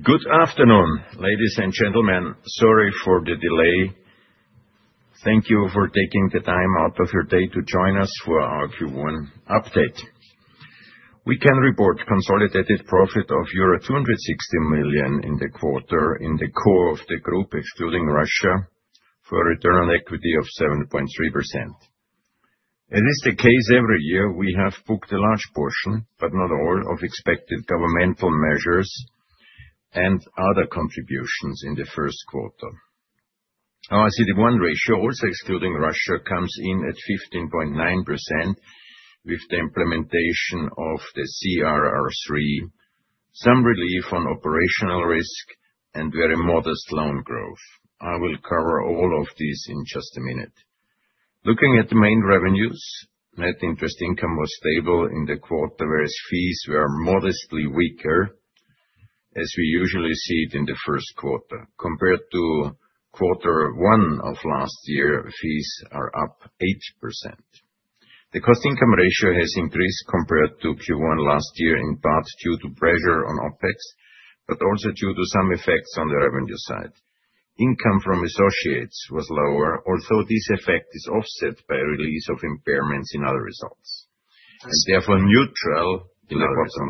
Good afternoon, ladies and gentlemen. Sorry for the delay. Thank you for taking the time out of your day to join us for our Q1 update. We can report consolidated profit of euro 260 million in the quarter in the core of the group, excluding Russia, for a return on equity of 7.3%. It is the case every year, we have booked a large portion, but not all, of expected governmental measures and other contributions in the first quarter. Our CET1 ratio, also excluding Russia, comes in at 15.9% with the implementation of the CRR3, some relief on operational risk, and very modest loan growth. I will cover all of these in just a minute. Looking at the main revenues, net interest income was stable in the quarter, whereas fees were modestly weaker, as we usually see it in the first quarter. Compared to quarter one of last year, fees are up 8%. The cost-income ratio has increased compared to Q1 last year in part due to pressure on OpEx, but also due to some effects on the revenue side. Income from associates was lower, although this effect is offset by a release of impairments in other results. Therefore neutral in the bottom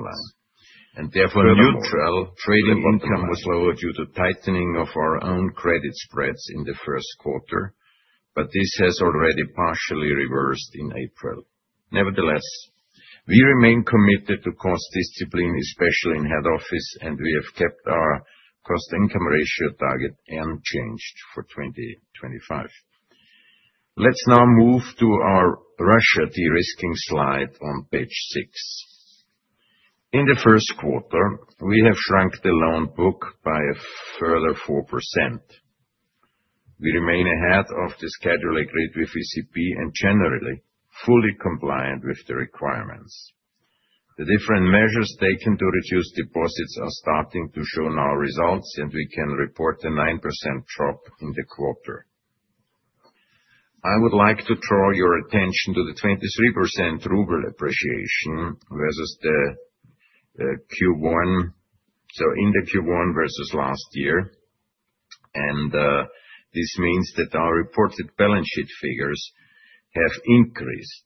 line. Therefore neutral. Trading income was lower due to tightening of our own credit spreads in the first quarter, but this has already partially reversed in April. Nevertheless, we remain committed to cost discipline, especially in head office, and we have kept our cost-income ratio target unchanged for 2025. Let's now move to our Russia derisking slide on page 6. In the first quarter, we have shrunk the loan book by a further 4%. We remain ahead of the schedule agreed with ECB and generally fully compliant with the requirements. The different measures taken to reduce deposits are starting to show now results, and we can report a 9% drop in the quarter. I would like to draw your attention to the 23% ruble appreciation versus the Q1, so in the Q1 versus last year. This means that our reported balance sheet figures have increased.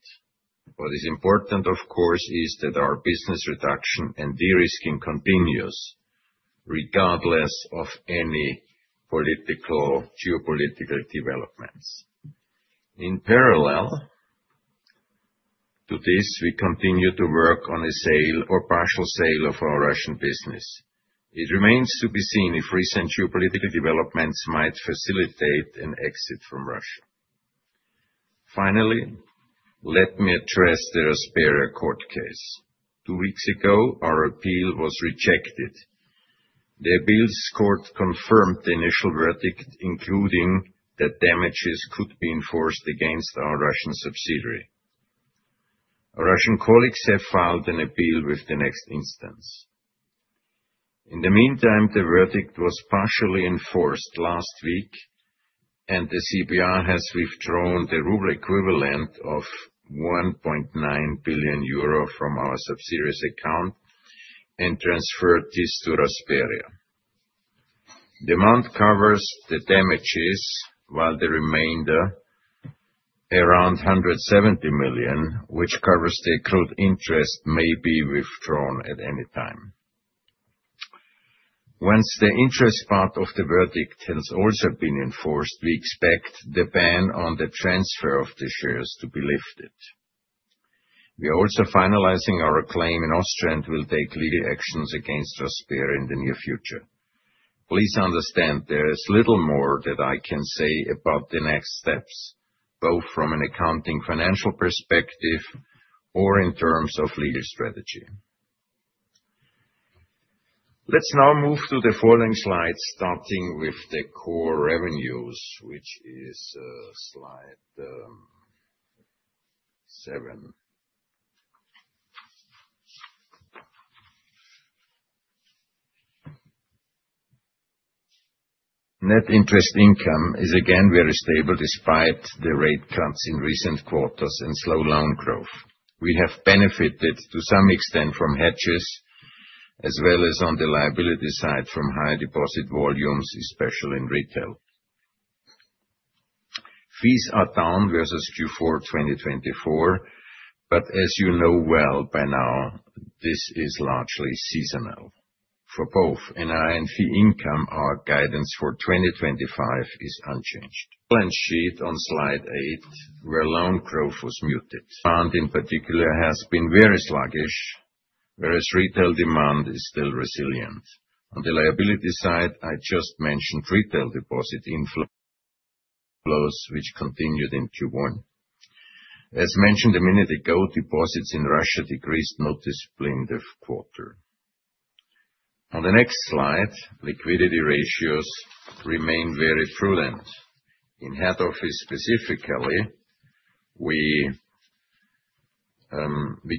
What is important, of course, is that our business reduction and derisking continues, regardless of any political, geopolitical developments. In parallel to this, we continue to work on a sale or partial sale of our Russian business. It remains to be seen if recent geopolitical developments might facilitate an exit from Russia. Finally, let me address the Rasperia court case. Two weeks ago, our appeal was rejected. The appeals court confirmed the initial verdict, including that damages could be enforced against our Russian subsidiary. Russian colleagues have filed an appeal with the next instance. In the meantime, the verdict was partially enforced last week, and the CBR has withdrawn the ruble equivalent of 1.9 billion euro from our subsidiary's account and transferred this to Rasperia. The amount covers the damages, while the remainder, around 170 million, which covers the accrued interest, may be withdrawn at any time. Once the interest part of the verdict has also been enforced, we expect the ban on the transfer of the shares to be lifted. We are also finalizing our claim in Austria and will take legal actions against Rasperia in the near future. Please understand there is little more that I can say about the next steps, both from an accounting financial perspective or in terms of legal strategy. Let's now move to the following slides, starting with the core revenues, which is slide 7. Net interest income is again very stable despite the rate cuts in recent quarters and slow loan growth. We have benefited to some extent from hedges, as well as on the liability side from high deposit volumes, especially in retail. Fees are down versus Q4 2024, but as you know well by now, this is largely seasonal. For both, and fee income, our guidance for 2025 is unchanged. Balance sheet on slide 8, where loan growth was muted. Demand in particular has been very sluggish, whereas retail demand is still resilient. On the liability side, I just mentioned retail deposit inflows, which continued in Q1. As mentioned a minute ago, deposits in Russia decreased noticeably in the quarter. On the next slide, liquidity ratios remain very prudent. In head office specifically, we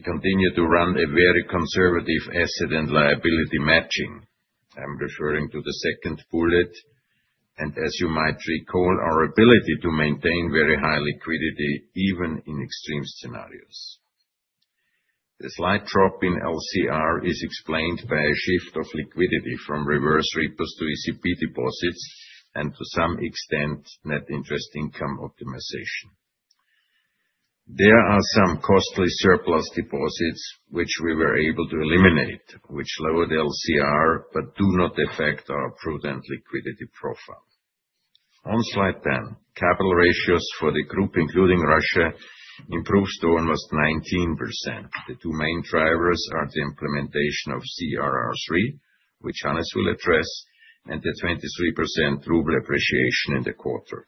continue to run a very conservative asset and liability matching. I'm referring to the second bullet, and as you might recall, our ability to maintain very high liquidity even in extreme scenarios. The slight drop in LCR is explained by a shift of liquidity from reverse repos to ECB deposits and to some extent net interest income optimization. There are some costly surplus deposits which we were able to eliminate, which lowered LCR but do not affect our prudent liquidity profile. On slide 10, capital ratios for the group, including Russia, improved to almost 19%. The two main drivers are the implementation of CRR3, which Hannes will address, and the 23% ruble appreciation in the quarter.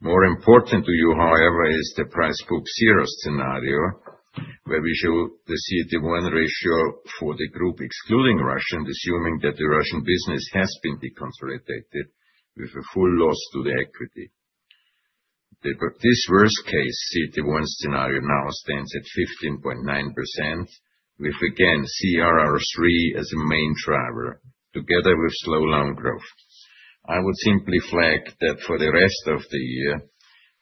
More important to you, however, is the price book zero scenario, where we show the CET1 ratio for the group excluding Russia, assuming that the Russian business has been deconsolidated with a full loss to the equity. This worst-case CET1 scenario now stands at 15.9%, with again CRR3 as a main driver, together with slow loan growth. I would simply flag that for the rest of the year,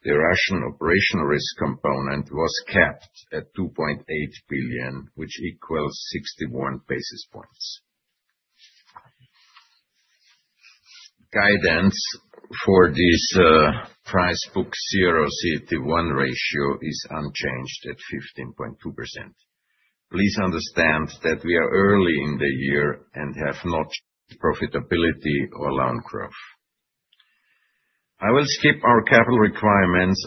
the Russian operational risk component was capped at 2.8 billion, which equals 61 basis points. Guidance for this price book zero CET1 ratio is unchanged at 15.2%. Please understand that we are early in the year and have not changed profitability or loan growth. I will skip our capital requirements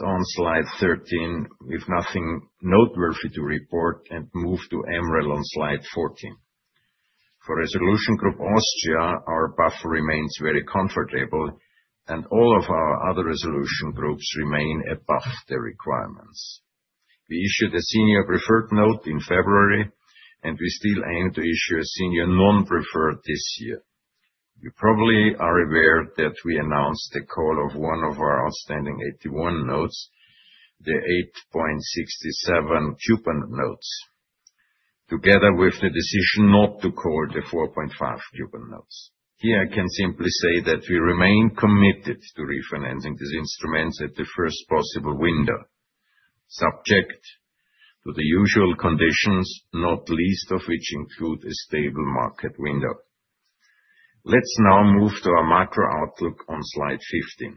on slide 13, as there is nothing noteworthy to report, and move to MREL on slide 14. For Resolution Group Austria, our remains very comfortable, and all of our other resolution groups remain above the requirements. We issued a senior preferred note in February, and we still aim to issue a senior non-preferred this year. You probably are aware that we announced the call of one of our outstanding AT1 notes, the 8.67% coupon notes, together with the decision not to call the 4.5% coupon notes. Here, I can simply say that we remain committed to refinancing these instruments at the first possible window, subject to the usual conditions, not least of which include a stable market window. Let's now move to our macro outlook on slide 15.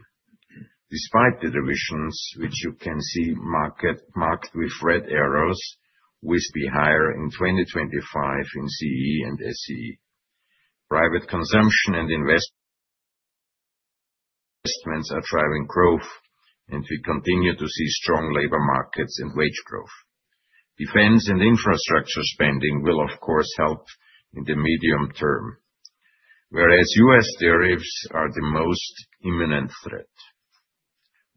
Despite the revisions, which you can see marked with red arrows, we will be higher in 2025 in CE and SEE. Private consumption and investments are driving growth, and we continue to see strong labor markets and wage growth. Defense and infrastructure spending will, of course, help in the medium term, whereas U.S. tariffs are the most imminent threat.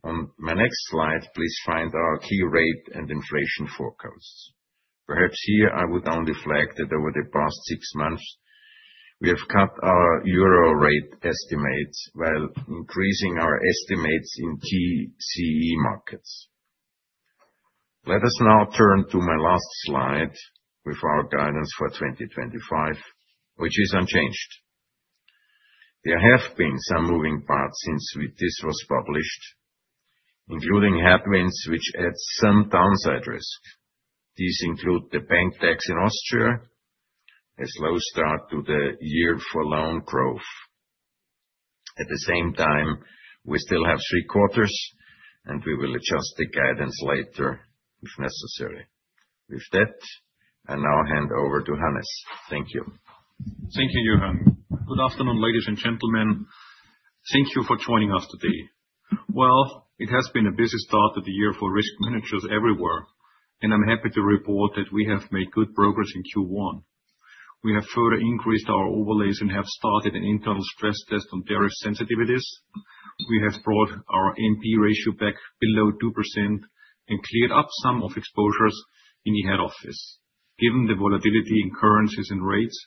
On my next slide, please find our key rate and inflation forecasts. Perhaps here I would only flag that over the past six months, we have cut our euro rate estimates while increasing our estimates in key CE markets. Let us now turn to my last slide with our guidance for 2025, which is unchanged. There have been some moving parts since this was published, including headwinds which add some downside risk. These include the bank tax in Austria, a slow start to the year for loan growth. At the same time, we still have three quarters, and we will adjust the guidance later if necessary. With that, I now hand over to Hannes. Thank you. Thank you, Johann. Good afternoon, ladies and gentlemen. Thank you for joining us today. It has been a busy start of the year for risk managers everywhere, and I'm happy to report that we have made good progress in Q1. We have further increased our overlays and have started an internal stress test on various sensitivities. We have brought our NPE ratio back below 2% and cleared up some of exposures in the head office. Given the volatility in currencies and rates,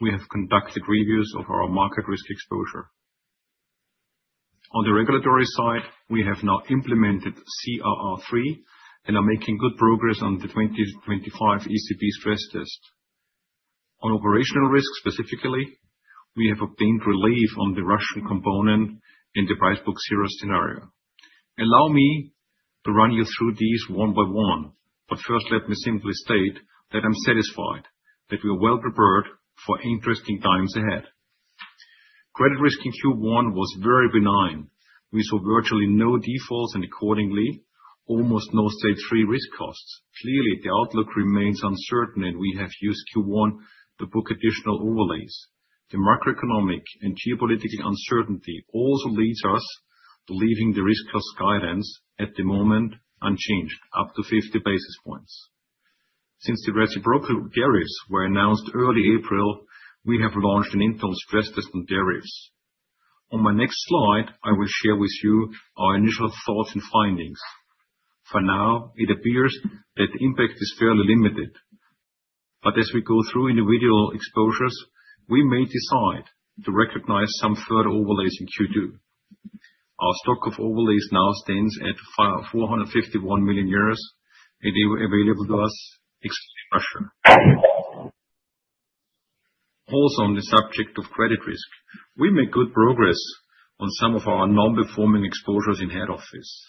we have conducted reviews of our market risk exposure. On the regulatory side, we have now implemented CRR3 and are making good progress on the 2025 ECB stress test. On operational risk specifically, we have obtained relief on the Russian component in the price book zero scenario. Allow me to run you through these one by one, but first let me simply state that I'm satisfied that we are well prepared for interesting times ahead. Credit risk in Q1 was very benign. We saw virtually no defaults and, accordingly, almost no stage three risk costs. Clearly, the outlook remains uncertain, and we have used Q1 to book additional overlays. The macroeconomic and geopolitical uncertainty also leads us to leaving the risk cost guidance at the moment unchanged, up to 50 basis points. Since the reciprocal tariffs were announced early April, we have launched an internal stress test on tariffs. On my next slide, I will share with you our initial thoughts and findings. For now, it appears that the impact is fairly limited, but as we go through individual exposures, we may decide to recognize some further overlays in Q2. Our stock of overlays now stands at 451 million euros available to us excluding Russia. Also, on the subject of credit risk, we made good progress on some of our non-performing exposures in head office.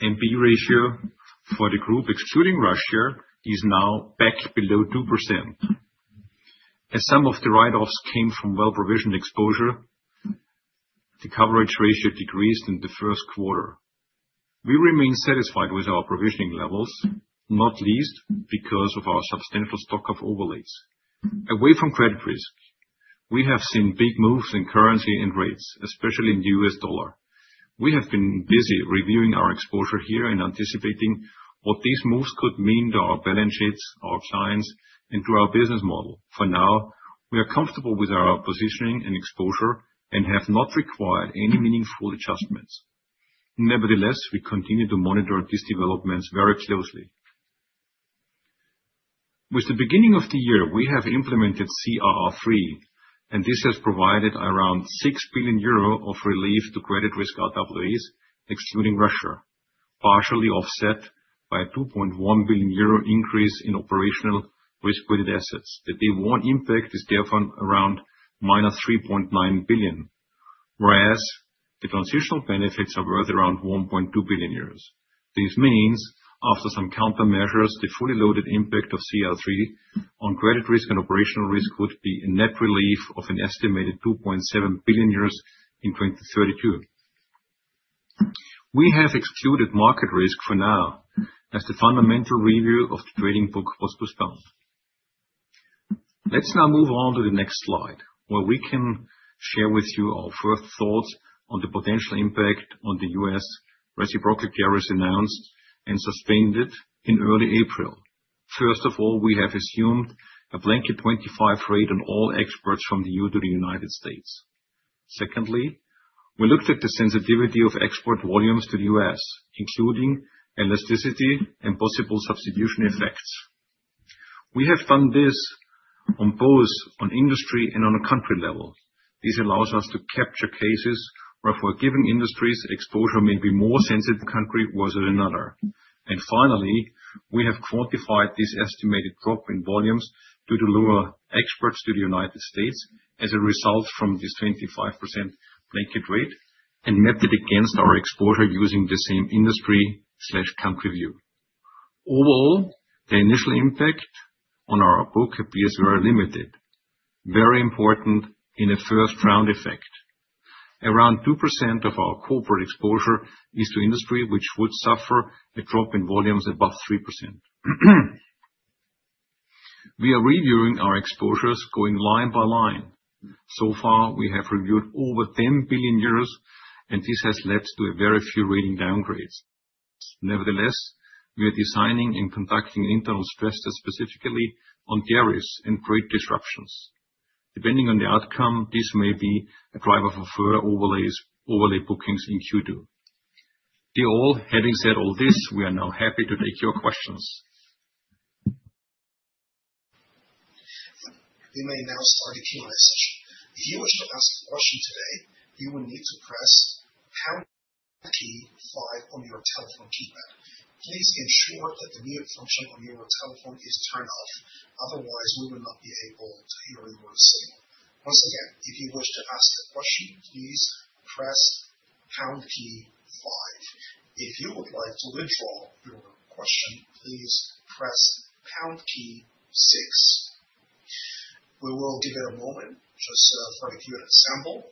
NPE ratio for the group excluding Russia is now back below 2%. As some of the write-offs came from well-provisioned exposure, the coverage ratio decreased in the first quarter. We remain satisfied with our provisioning levels, not least because of our substantial stock of overlays. Away from credit risk, we have seen big moves in currency and rates, especially in the U.S. dollar. We have been busy reviewing our exposure here and anticipating what these moves could mean to our balance sheets, our clients, and to our business model. For now, we are comfortable with our positioning and exposure and have not required any meaningful adjustments. Nevertheless, we continue to monitor these developments very closely. With the beginning of the year, we have implemented CRR3, and this has provided around 6 billion euro of relief to credit risk RWAs, excluding Russia, partially offset by a 2.1 billion euro increase in operational risk-weighted assets. The day one impact is therefore around minus 3.9 billion, whereas the transitional benefits are worth around 1.2 billion euros. This means, after some countermeasures, the fully loaded impact of CRR3 on credit risk and operational risk would be a net relief of an estimated 2.7 billion euros in 2032. We have excluded market risk for now, as the fundamental review of the trading book was postponed. Let's now move on to the next slide, where we can share with you our first thoughts on the potential impact on the U.S. reciprocal tariffs announced and suspended in early April. First of all, we have assumed a blanket 25% rate on all exports from the EU to the United States. Secondly, we looked at the sensitivity of export volumes to the U.S., including elasticity and possible substitution effects. We have done this on both industry and on a country level. This allows us to capture cases where for a given industry, exposure may be more sensitive in one country versus another. Finally, we have quantified this estimated drop in volumes due to lower exports to the United States as a result from this 25% blanket rate and mapped it against our exposure using the same industry/country view. Overall, the initial impact on our book appears very limited, very important in a first round effect. Around 2% of our corporate exposure is to industry, which would suffer a drop in volumes above 3%. We are reviewing our exposures going line by line. So far, we have reviewed over 10 billion euros, and this has led to very few rating downgrades. Nevertheless, we are designing and conducting internal stress tests specifically on tariffs and trade disruptions. Depending on the outcome, this may be a driver for further overlay bookings in Q2. Having said all this, we are now happy to take your questions. We may now start a Q&A session. If you wish to ask a question today, you will need to press hash key five on your telephone keypad. Please ensure that the mute function on your telephone is turned off. Otherwise, we will not be able to hear your signal. Once again, if you wish to ask a question, please press hash key five. If you would like to withdraw your question, please press hash key six. We will give it a moment just for the Q&A sample.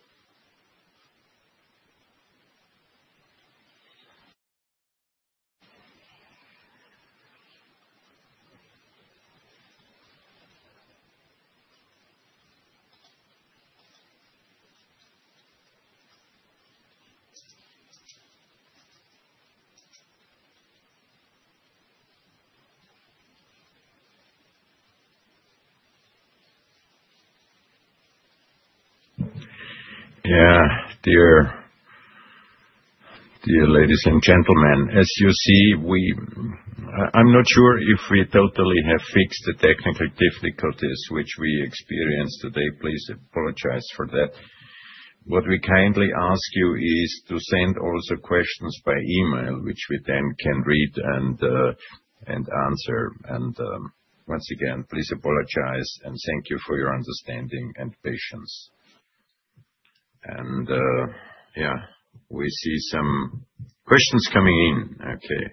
Yeah, dear ladies and gentlemen, as you see, I'm not sure if we totally have fixed the technical difficulties which we experienced today. Please apologize for that. What we kindly ask you is to send also questions by email, which we then can read and answer. Once again, please apologize and thank you for your understanding and patience. Yeah, we see some questions coming in. Okay.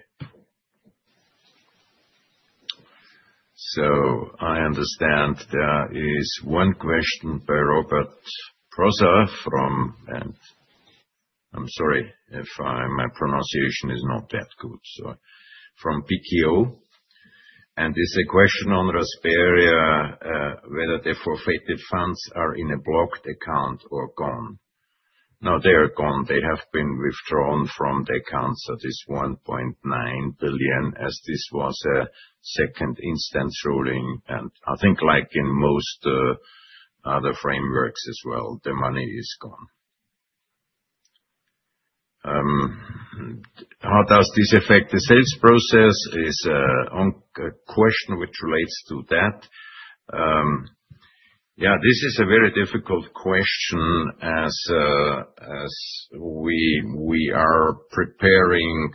I understand there is one question by Robert Brzoza from, and I'm sorry if my pronunciation is not that good, so from PKO. It's a question on Rasperia whether the forfeited funds are in a blocked account or gone. No, they are gone. They have been withdrawn from the accounts at this 1.9 billion, as this was a second instance ruling. I think like in most other frameworks as well, the money is gone. How does this affect the sales process is a question which relates to that. This is a very difficult question as we are preparing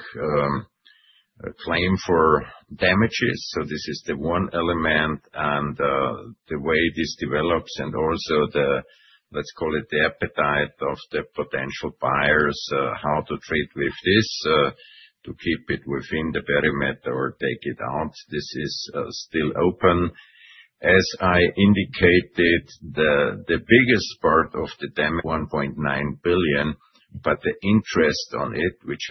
a claim for damages. This is the one element and the way this develops and also the, let's call it the appetite of the potential buyers, how to treat with this to keep it within the perimeter or take it out. This is still open. As I indicated, the biggest part of the 1.9 billion, but the interest on it, which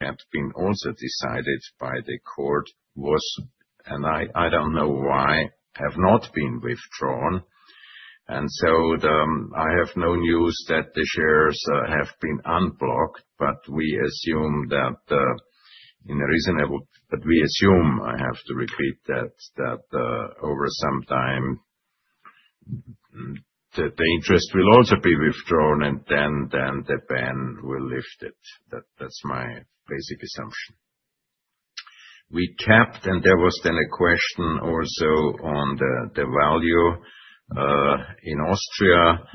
had been also decided by the court, was, and I don't know why, have not been withdrawn. I have no news that the shares have been unblocked, but we assume that in a reasonable, but we assume, I have to repeat that over some time, the interest will also be withdrawn and then the ban will lift it. That's my basic assumption. We tapped, and there was then a question also on the value in Austria.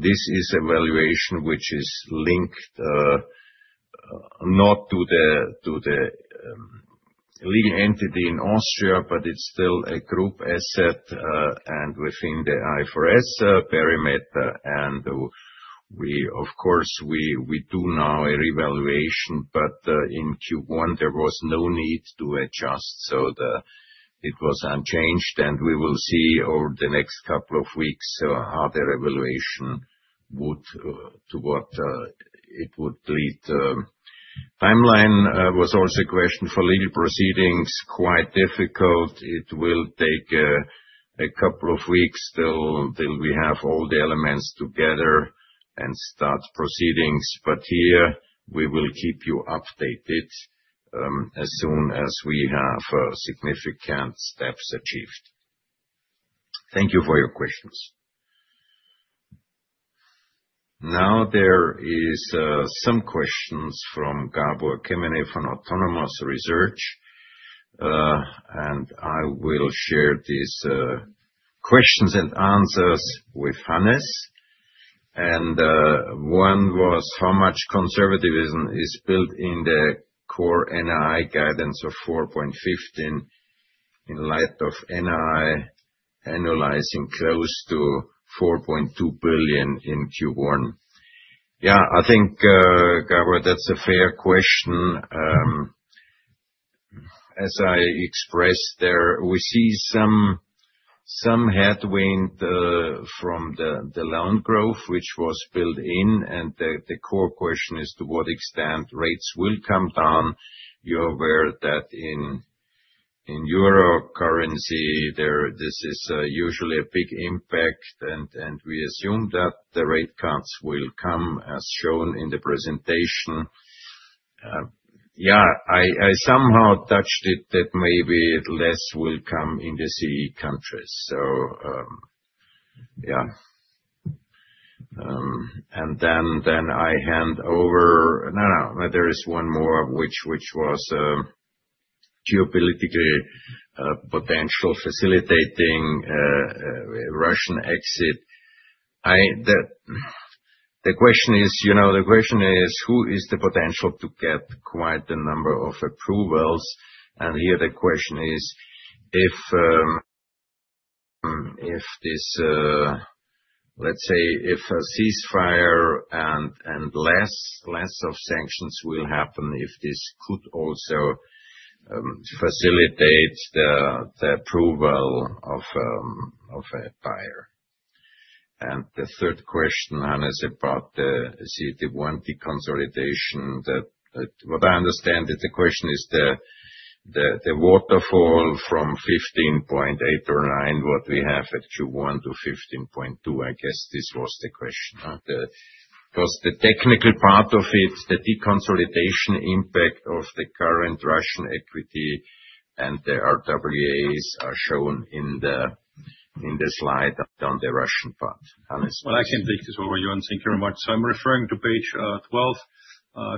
This is a valuation which is linked not to the legal entity in Austria, but it's still a group asset and within the IFRS perimeter. We, of course, do now a revaluation, but in Q1, there was no need to adjust. It was unchanged, and we will see over the next couple of weeks how the revaluation would, to what it would lead. Timeline was also a question for legal proceedings, quite difficult. It will take a couple of weeks till we have all the elements together and start proceedings. We will keep you updated as soon as we have significant steps achieved. Thank you for your questions. Now there are some questions from Gabor Kemeny from Autonomous Research, and I will share these questions and answers with Hannes. One was, how much conservatism is built in the core NII guidance of 4.15 billion in light of NII annualizing close to 4.2 billion in Q1? I think, Gabor, that's a fair question. As I expressed there, we see some headwind from the loan growth, which was built in, and the core question is to what extent rates will come down. You're aware that in euro currency, this is usually a big impact, and we assume that the rate cuts will come, as shown in the presentation. I somehow touched it that maybe less will come in the CE countries. Yeah. There is one more, which was geopolitically potential facilitating Russian exit. The question is, you know, the question is, who is the potential to get quite a number of approvals? Here the question is, if this, let's say, if a ceasefire and less of sanctions will happen, if this could also facilitate the approval of a buyer. The third question, Hannes, about the CET1 deconsolidation, what I understand is the question is the waterfall from 15.8% or 15.9%, what we have at Q1, to 15.2%, I guess this was the question. Because the technical part of it, the deconsolidation impact of the current Russian equity and the RWAs are shown in the slide on the Russian part. I can take this over, Johan, thank you very much. I'm referring to page 12,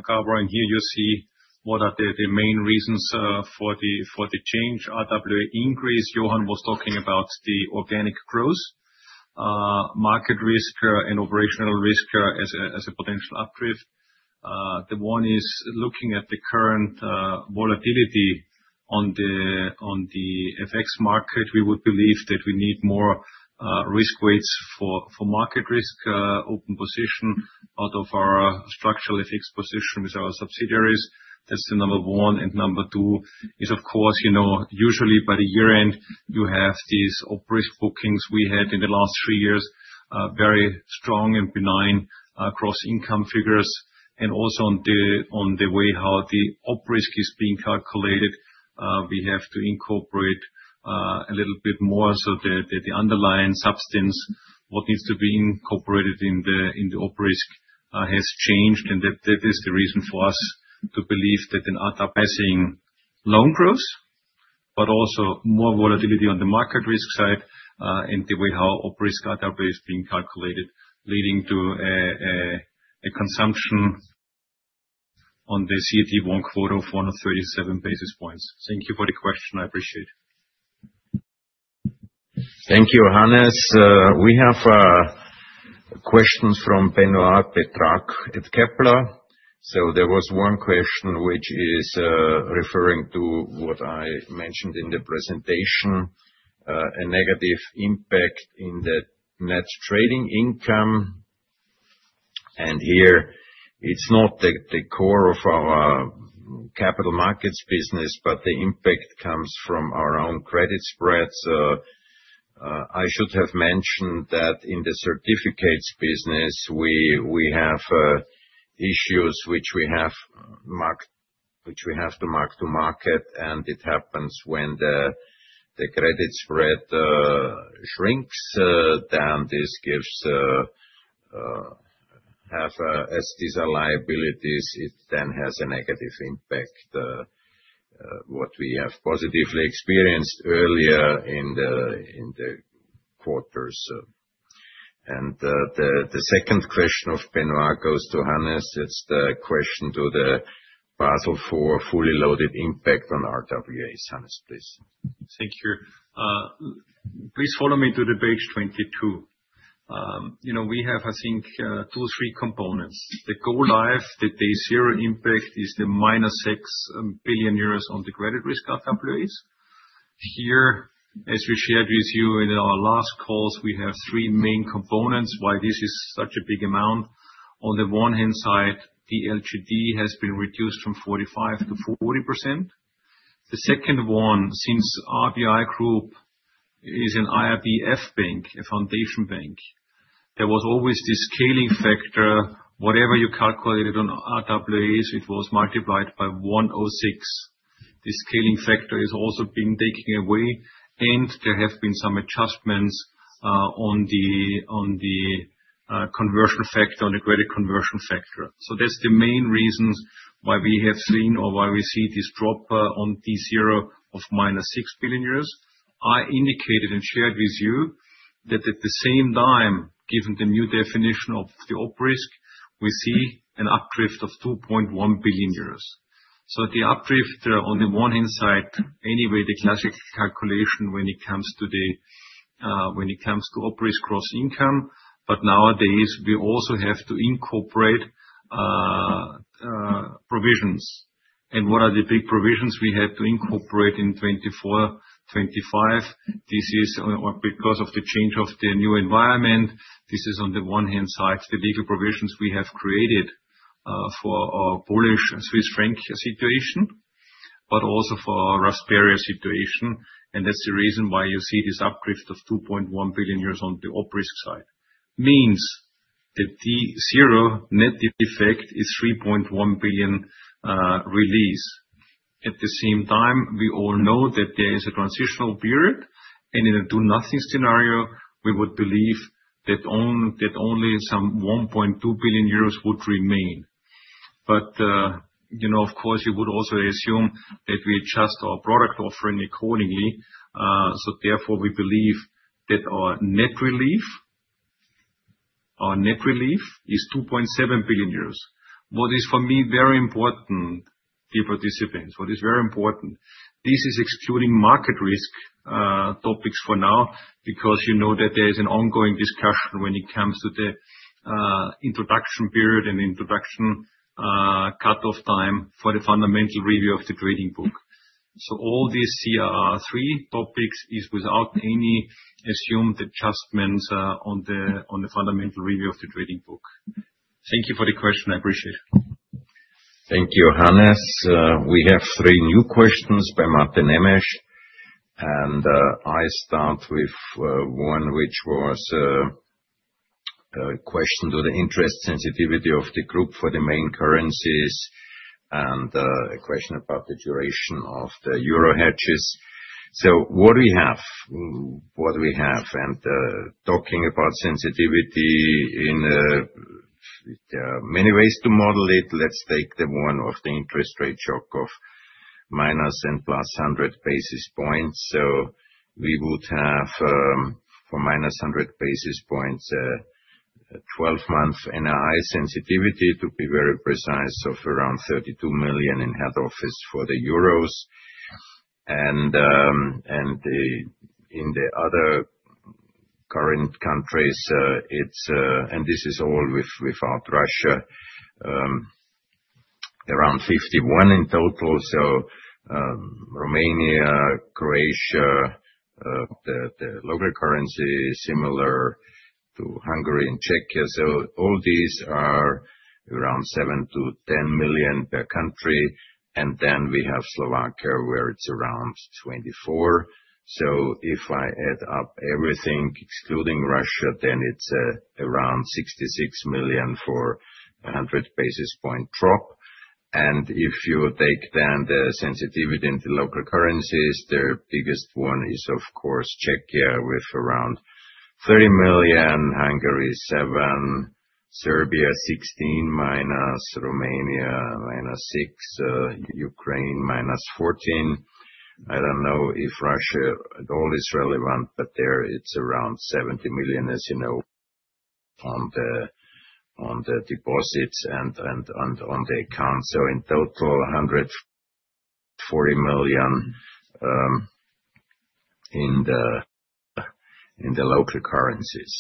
Gabor, and here you see what are the main reasons for the change. RWA increase, Johann was talking about the organic growth, market risk, and operational risk as a potential updrift. The one is looking at the current volatility on the FX market. We would believe that we need more risk weights for market risk, open position out of our structurally fixed position with our subsidiaries. That's the number one. Number two is, of course, usually by the year end, you have these IRB risk bookings we had in the last three years, very strong and benign across income figures. Also on the way how the IRB risk is being calculated, we have to incorporate a little bit more. The underlying substance, what needs to be incorporated in the IRB risk has changed, and that is the reason for us to believe that in other pressing loan growth, but also more volatility on the market risk side and the way how IRB risk RWA is being calculated, leading to a consumption on the CET1 quota of 137 basis points. Thank you for the question. I appreciate it. Thank you, Hannes. We have questions from Benoit Petrarque at Kepler. There was one question which is referring to what I mentioned in the presentation, a negative impact in the net trading income. Here, it's not the core of our capital markets business, but the impact comes from our own credit spreads. I should have mentioned that in the certificates business, we have issues which we have to mark to market, and it happens when the credit spread shrinks. This gives, as these are liabilities, a negative impact, what we have positively experienced earlier in the quarters. The second question of Benoit goes to Hannes. It's the question to the Basel IV fully loaded impact on RWAs. Hannes, please. Thank you. Please follow me to page 22. We have, I think, two or three components. The goal life that they zero impact is the minus 6 billion euros on the credit risk RWAs. Here, as we shared with you in our last calls, we have three main components why this is such a big amount. On the one hand side, the LGD has been reduced from 45% to 40%. The second one, since RBI Group is an IRB bank, a foundation bank, there was always this scaling factor. Whatever you calculated on RWAs, it was multiplied by 106. The scaling factor is also being taken away, and there have been some adjustments on the conversion factor, on the credit conversion factor. That is the main reasons why we have seen or why we see this drop on T0 of minus 6 billion euros. I indicated and shared with you that at the same time, given the new definition of the IRB risk, we see an updrift of 2.1 billion euros. The updrift on the one hand side, anyway, the classic calculation when it comes to the when it comes to IRB risk cross income, but nowadays, we also have to incorporate provisions. What are the big provisions we had to incorporate in 2024, 2025? This is because of the change of the new environment. This is on the one hand side, the legal provisions we have created for our Polish Swiss franc situation, but also for our Rasperia situation. That is the reason why you see this updrift of 2.1 billion on the IRB risk side. Means that the zero net effect is 3.1 billion release. At the same time, we all know that there is a transitional period, and in a do nothing scenario, we would believe that only 1.2 billion euros would remain. Of course, you would also assume that we adjust our product offering accordingly. Therefore, we believe that our net relief, our net relief is 2.7 billion euros. What is for me very important, dear participants, what is very important, this is excluding market risk topics for now, because you know that there is an ongoing discussion when it comes to the introduction period and introduction cut-off time for the fundamental review of the trading book. All these CRR3 topics is without any assumed adjustments on the fundamental review of the trading book. Thank you for the question. I appreciate it. Thank you, Hannes. We have three new questions by Mate Nemes. I start with one which was a question to the interest sensitivity of the group for the main currencies and a question about the duration of the euro hedges. What do we have? What do we have? Talking about sensitivity, there are many ways to model it. Let's take the one of the interest rate shock of minus and plus 100 basis points. We would have for minus 100 basis points, a 12-month NII sensitivity to be very precise of around 32 million in head office for the euros. In the other current countries, this is all without Russia, around 51 in total. Romania, Croatia, the local currency is similar to Hungary and Czechia. All these are around 7 million to 10 million per country. We have Slovakia where it is around 24 million. If I add up everything excluding Russia, then it is around 66 million for a 100 basis point drop. If you take the sensitivity in the local currencies, the biggest one is of course Czechia with around 30 million, Hungary 7 million, Serbia 16 million, minus Romania minus 6 million, Ukraine minus 14 million. I do not know if Russia at all is relevant, but there it is around 70 million as you know on the deposits and on the accounts. In total, 140 million in the local currencies.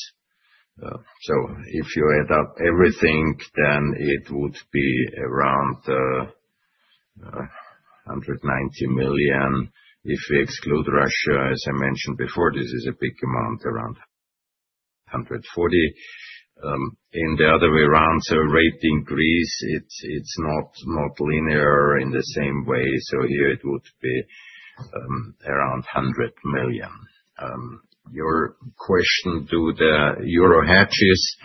If you add up everything, then it would be around 190 million. If we exclude Russia, as I mentioned before, this is a big amount, around 140 million. The other way around, so rate increase, it is not linear in the same way. Here it would be around 100 million. Your question to the euro hedges,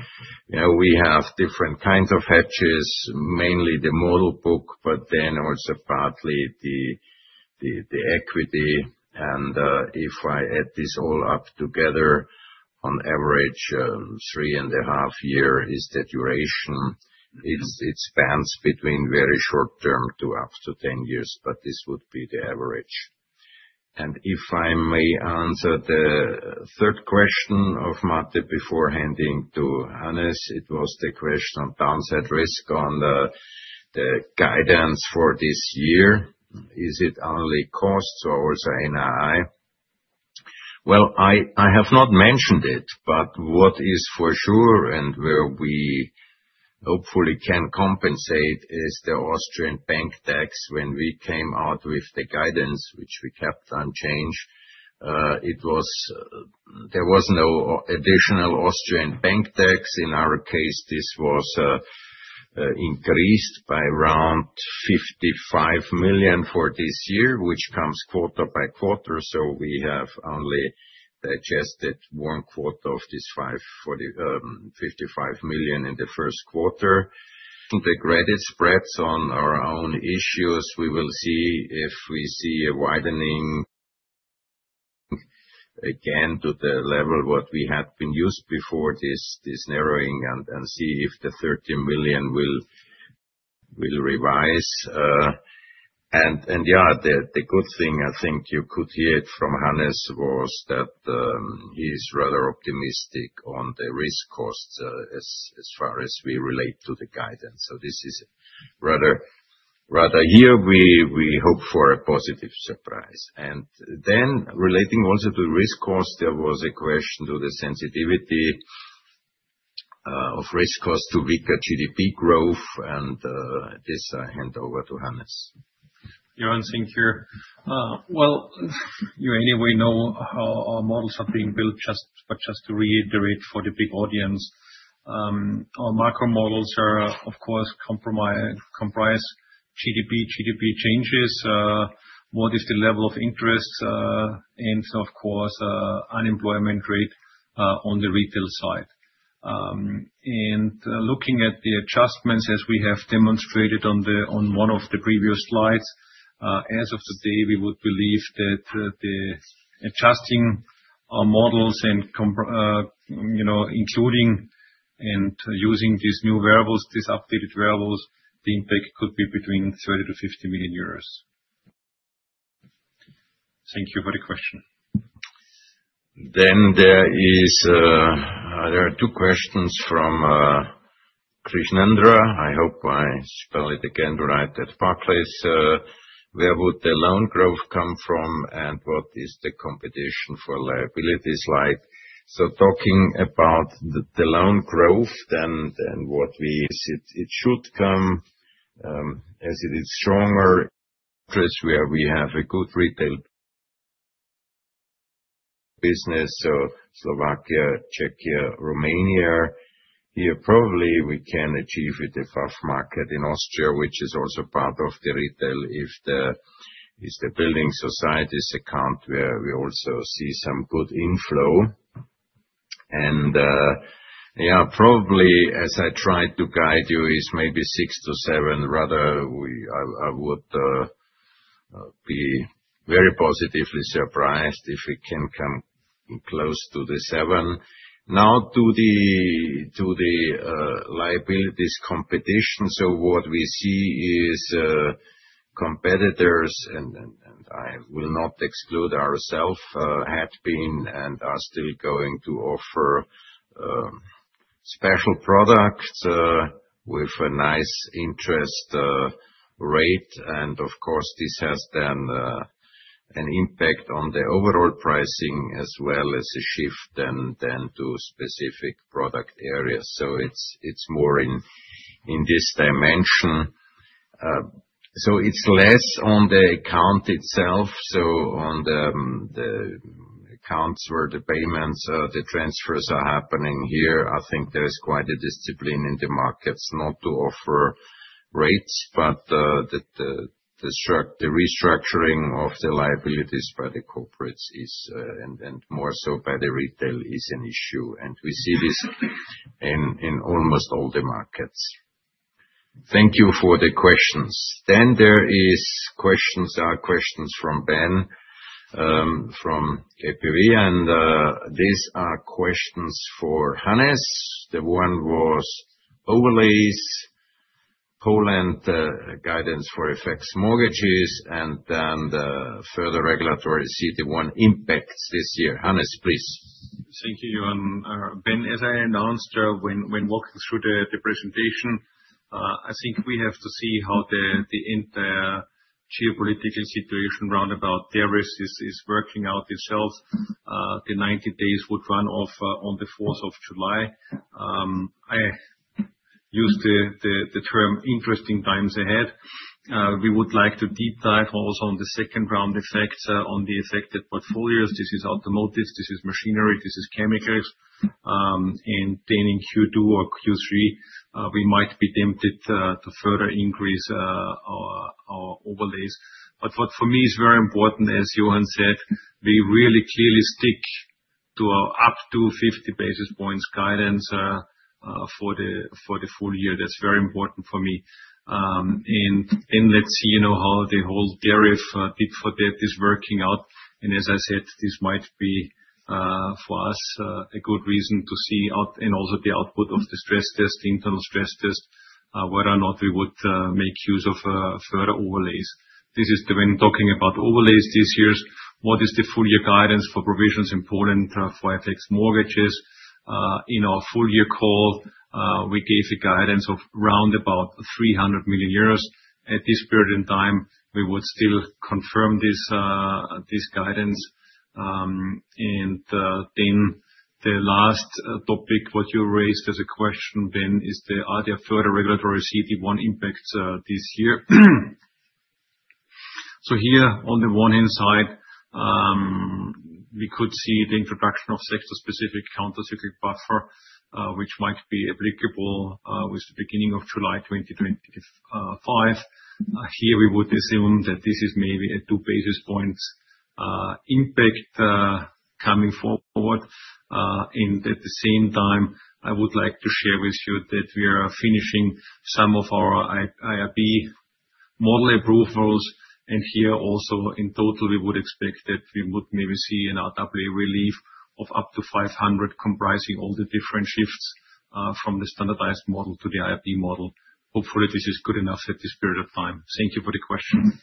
we have different kinds of hedges, mainly the model book, but then also partly the equity. If I add this all up together, on average, three and a half years is the duration. It spans between very short term to up to 10 years, but this would be the average. If I may answer the third question of Mate before handing to Hannes, it was the question on downside risk on the guidance for this year. Is it only costs or also NII? I have not mentioned it, but what is for sure and where we hopefully can compensate is the Austrian bank tax. When we came out with the guidance, which we kept unchanged, there was no additional Austrian bank tax. In our case, this was increased by around 55 million for this year, which comes quarter by quarter. We have only adjusted one quarter of this 55 million in the first quarter. The credit spreads on our own issues, we will see if we see a widening again to the level we had been used to before this narrowing, and see if the 30 million will revise. Yeah, the good thing, I think you could hear it from Hannes, was that he is rather optimistic on the risk costs as far as we relate to the guidance. This is rather here, we hope for a positive surprise. Relating also to risk costs, there was a question to the sensitivity of risk costs to weaker GDP growth. This I hand over to Hannes. Johann, thank you. You anyway know how our models are being built, but just to reiterate for the big audience, our macro models are, of course, comprise GDP, GDP changes. What is the level of interest? Of course, unemployment rate on the retail side. Looking at the adjustments, as we have demonstrated on one of the previous slides, as of today, we would believe that adjusting our models and including and using these new variables, these updated variables, the impact could be between 30 million-50 million euros. Thank you for the question. There are two questions from Krishnendra at Barclays. Where would the loan growth come from and what is the competition for liabilities like? Talking about the loan growth and what we, is it should come as it is stronger interest where we have a good retail business, so Slovakia, Czechia, Romania. Here, probably we can achieve it a fast market in Austria, which is also part of the retail if the building society's account where we also see some good inflow. Yeah, probably as I tried to guide you is maybe six to seven, rather I would be very positively surprised if it can come close to the seven. Now to the liabilities competition, what we see is competitors, and I will not exclude ourself, had been and are still going to offer special products with a nice interest rate. Of course, this has an impact on the overall pricing as well as a shift to specific product areas. It is more in this dimension. It is less on the account itself. On the accounts where the payments, the transfers are happening here, I think there is quite a discipline in the markets not to offer rates, but the restructuring of the liabilities by the corporates and more so by the retail is an issue. We see this in almost all the markets. Thank you for the questions. There are questions from Ben from KBW. These are questions for Hannes. The one was overlays, Poland guidance for FX mortgages, and then the further regulatory CET1 impacts this year. Hannes, please. Thank you, Johann. Ben, as I announced when walking through the presentation, I think we have to see how the entire geopolitical situation round about tariffs is working out itself. The 90 days would run off on the 4th of July. I used the term interesting times ahead. We would like to deep dive also on the second round effects on the affected portfolios. This is automotives, this is machinery, this is chemicals. In Q2 or Q3, we might be tempted to further increase our overlays. What for me is very important, as Johan said, we really clearly stick to up to 50 basis points guidance for the full year. That is very important for me. Let's see how the whole tariff deep for debt is working out. As I said, this might be for us a good reason to see out and also the output of the stress test, the internal stress test, whether or not we would make use of further overlays. This is when talking about overlays this year, what is the full year guidance for provisions in Poland for FX mortgages? In our full year call, we gave a guidance of around 300 million euros. At this period in time, we would still confirm this guidance. The last topic you raised as a question, Ben, is are there further regulatory CET1 impacts this year? Here on the one hand side, we could see the introduction of sector-specific countercyclical buffer, which might be applicable with the beginning of July 2025. Here we would assume that this is maybe a 2 basis points impact coming forward. At the same time, I would like to share with you that we are finishing some of our IRB model approvals. Here also in total, we would expect that we would maybe see an RWA relief of up to 500 million comprising all the different shifts from the standardized model to the IRB model. Hopefully, this is good enough at this period of time. Thank you for the question.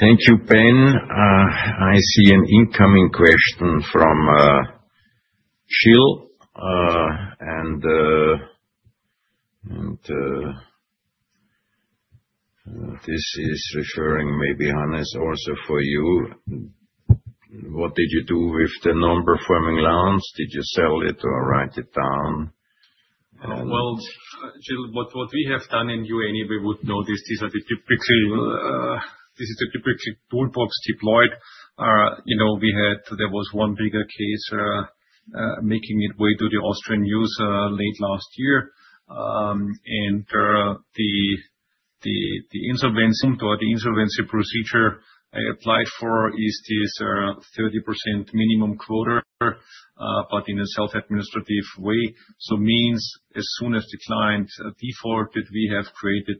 Thank you, Ben. I see an incoming question from Jill. This is referring maybe Hannes also for you. What did you do with the non-performing loans? Did you sell it or write it down? Jill, what we have done, and you anyway would notice this is a typical toolbox deployed. We had there was one bigger case making its way to the Austrian news late last year. The insolvency procedure I applied for is this 30% minimum quota, but in a self-administrative way. It means as soon as the client defaulted, we have created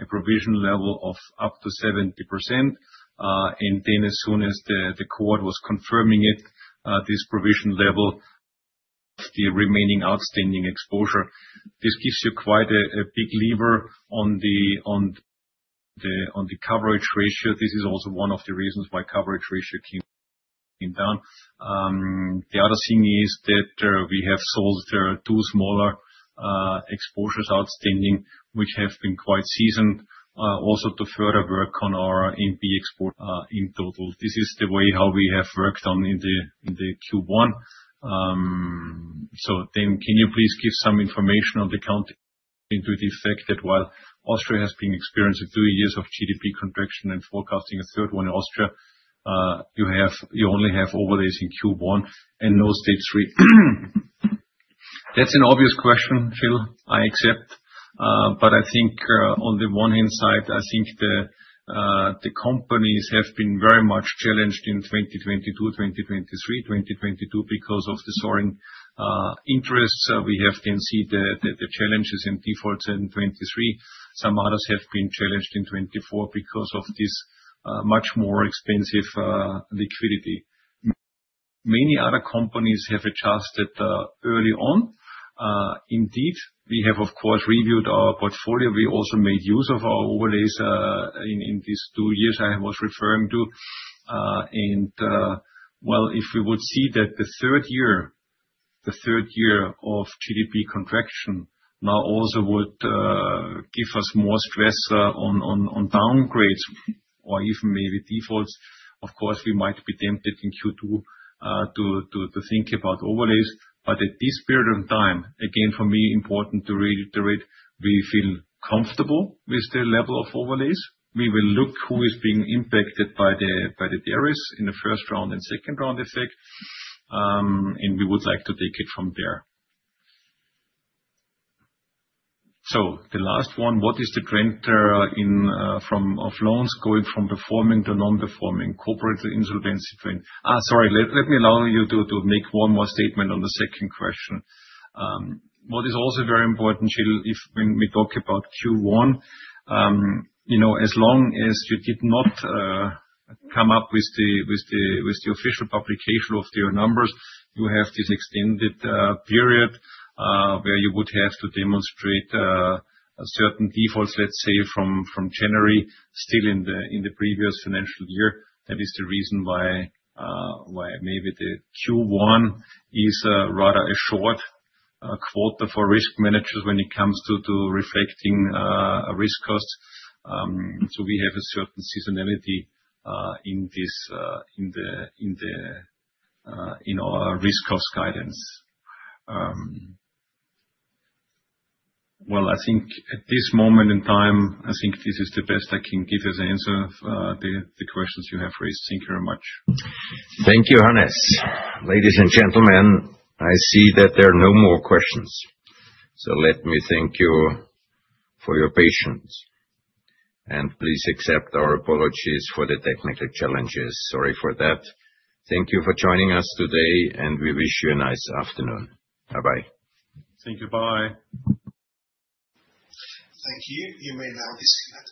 a provision level of up to 70%. As soon as the court was confirming it, this provision level. The remaining outstanding exposure. This gives you quite a big lever on the coverage ratio. This is also one of the reasons why coverage ratio came down. The other thing is that we have sold two smaller exposures outstanding, which have been quite seasoned, also to further work on our NPE in total. This is the way how we have worked on in the Q1. Can you please give some information on the to the effect that while Austria has been experiencing three years of GDP contraction and forecasting a third one in Austria, you only have overlays in Q1 and no stage three? That's an obvious question, Jill. I accept. I think on the one hand side, I think the companies have been very much challenged in 2022, 2023, 2022 because of the soaring interests. We have then seen the challenges and defaults in 2023. Some others have been challenged in 2024 because of this much more expensive liquidity. Many other companies have adjusted early on. Indeed, we have of course reviewed our portfolio. We also made use of our overlays in these two years I was referring to. If we would see that the third year, the third year of GDP contraction now also would give us more stress on downgrades or even maybe defaults, of course we might be tempted in Q2 to think about overlays. At this period of time, again, for me, important to reiterate, we feel comfortable with the level of overlays. We will look who is being impacted by the tariffs in the first round and second round effect. We would like to take it from there. The last one, what is the trend from loans going from performing to non-performing corporate insolvency trend? Sorry, let me allow you to make one more statement on the second question. What is also very important, Jill, when we talk about Q1, as long as you did not come up with the official publication of the numbers, you have this extended period where you would have to demonstrate certain defaults, let's say from January, still in the previous financial year. That is the reason why maybe the Q1 is rather a short quota for risk managers when it comes to reflecting risk costs. We have a certain seasonality in our risk cost guidance. I think at this moment in time, I think this is the best I can give you as answer the questions you have raised. Thank you very much. Thank you, Hannes. Ladies and gentlemen, I see that there are no more questions. Let me thank you for your patience. Please accept our apologies for the technical challenges. Sorry for that. Thank you for joining us today, and we wish you a nice afternoon. Bye-bye. Thank you. Bye. Thank you. You may now disconnect.